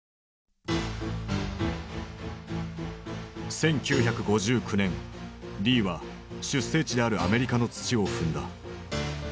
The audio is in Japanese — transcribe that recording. １９５９年リーは出生地であるアメリカの土を踏んだ。